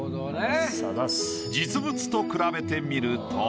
実物と比べてみると。